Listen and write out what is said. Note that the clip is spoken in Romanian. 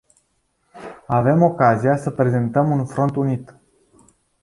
Avem ocazia să prezentăm un front unit.